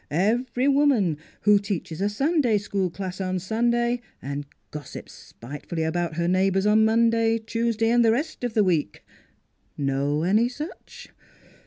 Every woman who teaches a Sunday School class on Sunday and gossips spitefully about her neighbors on Mon day, Tuesday, and the rest of the week ... know any such?